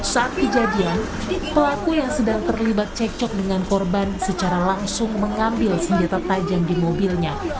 saat kejadian pelaku yang sedang terlibat cekcok dengan korban secara langsung mengambil senjata tajam di mobilnya